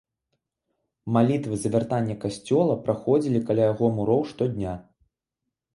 Малітвы за вяртанне касцёла праходзілі каля яго муроў штодня.